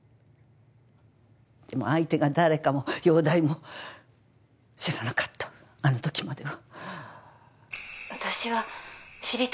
でも相手が誰かも容体も知らなかったのあのときまでは。